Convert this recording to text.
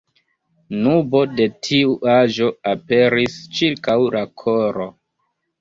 Nubo de tiu aĵo aperis ĉirkaŭ la koro.